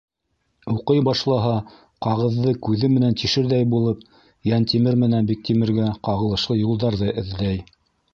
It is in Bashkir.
Уҡый башлаһа, ҡағыҙҙы күҙе менән тишерҙәй булып, Йәнтимер менән Биктимергә ҡағылышлы юлдарҙы эҙләй.